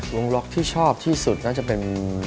วงล็อกที่ชอบที่สุดน่าจะเป็น